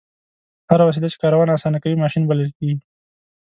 هره وسیله چې کارونه اسانه کوي ماشین بلل کیږي.